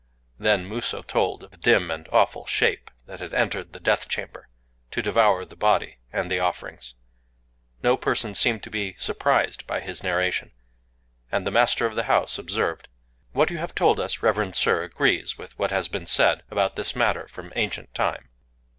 Then Musō told of the dim and awful Shape that had entered the death chamber to devour the body and the offerings. No person seemed to be surprised by his narration; and the master of the house observed:— "What you have told us, reverend Sir, agrees with what has been said about this matter from ancient time."